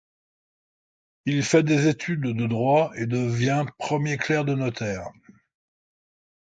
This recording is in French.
Il fait des études de droit et devient premier clerc de notaire.